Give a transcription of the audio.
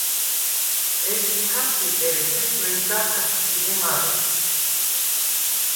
ეჯჟი ქასიპ, ერე თეს ვენდგარ ხა̈თხპინე მარე.